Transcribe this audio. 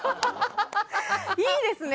いいですね！